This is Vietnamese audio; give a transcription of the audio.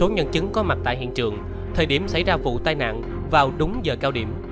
nhân chứng có mặt tại hiện trường thời điểm xảy ra vụ tai nạn vào đúng giờ cao điểm